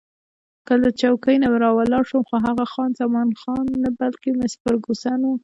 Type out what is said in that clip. له چوکۍ نه راولاړ شوم، خو هغه خان زمان نه، بلکې مس فرګوسن وه.